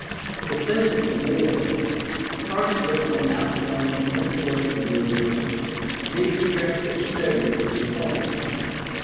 The Peasants' War, partially an outcome of the influence of Luther, needs careful study at this point.